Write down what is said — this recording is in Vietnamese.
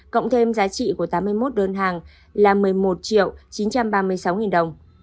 cộng thêm giá trị của tám mươi một đơn hàng là một mươi một triệu chín trăm ba mươi sáu nghìn đồng